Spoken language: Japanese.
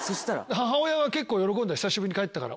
母親は結構喜んだ久しぶりに帰ったから。